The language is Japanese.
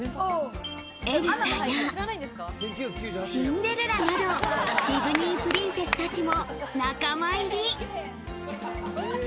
エルサやシンデレラなどディズニープリンセスたちも仲間入り。